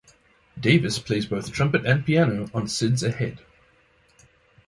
Davis plays both trumpet and piano on "Sid's Ahead".